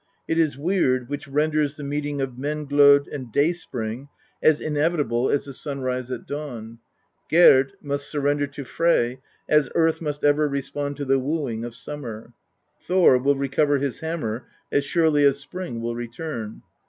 It is Weird which renders the meeting of Menglod and Dayspring as inevitable as the sunrise at dawn ; Gerd must surrender to Frey as earth must ever respond to the wooing of summer; Thor will recover his hammer as surely as spring will return.